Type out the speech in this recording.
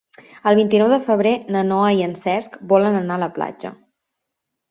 El vint-i-nou de febrer na Noa i en Cesc volen anar a la platja.